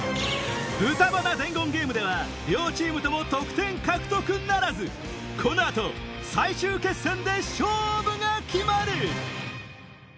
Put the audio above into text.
豚鼻伝言ゲームでは両チームとも得点獲得ならずこの後最終決戦で勝負が決まる！